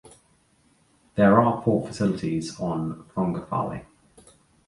There are port facilities on Fongafale.